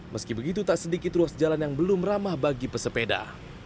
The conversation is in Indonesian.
meski begitu tak sedikit ruas jalan yang belum ramah bagi pesepeda